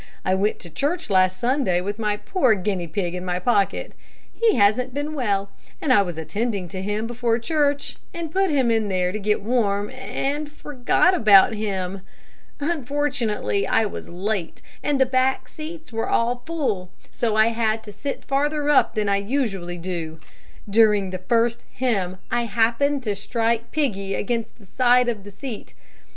I went to church last Sunday with my poor guinea pig in my pocket. He hasn't been well, and I was attending to him before church, and put him in there to get warm, and forgot about him. Unfortunately I was late, and the back seats were all full, so I had to sit farther up than I usually do. During the first hymn I happened to strike Piggy against the side of the seat.